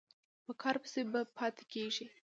په کار پسې به پاتې کېږې.